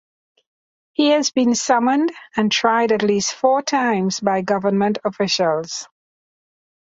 He has been summoned and tried at least four times by government officials.